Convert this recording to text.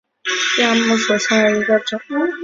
犁地果为金丝桃科瑞地亚木属下的一个种。